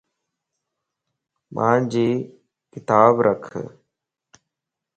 مانجي ڪتاب رکي ا